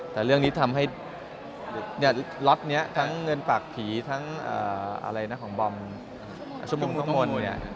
แต่เรื่องนี้ทำให้ล็อตนี้ทั้งเงินปากผีทั้งอะไรนะของบอมชมพู่น้ำมนต์